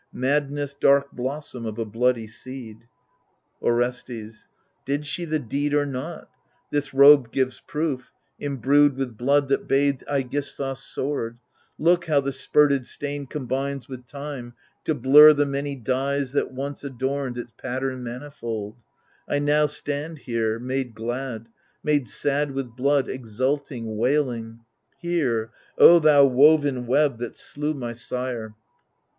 Madness, dark blossom of a bloody seed ! Orestes Did she the deed or not ? this robe gives proof, Imbrued with blood that bathed iCgisthus' sword : Look, how the spurted stain combines with time To blur the many dyes that once adorned Its pattern manifold ! I now stand here. Made glad, made sad with blood, exulting, wailing Hear, O thou woven web that slew my sire